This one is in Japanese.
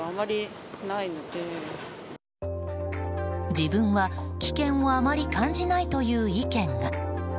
自分は危険をあまり感じないという意見が。